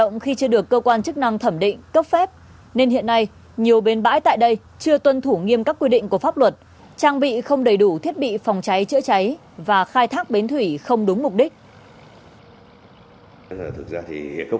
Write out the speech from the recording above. nhưng hiện nay nhiều bên bãi tại đây chưa tuân thủ nghiêm các quy định của pháp luật trang bị không đầy đủ thiết bị phòng cháy chữa cháy và khai thác bến thủy không đúng mục đích